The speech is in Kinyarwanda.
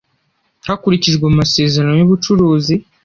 hakurikijwe amasezerano y ubucuruzi